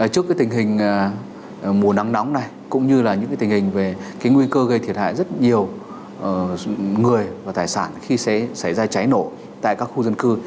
trước cái tình hình mùa nắng nóng này cũng như là những cái tình hình về cái nguy cơ gây thiệt hại rất nhiều người và tài sản khi sẽ xảy ra cháy nổ tại các khu dân cư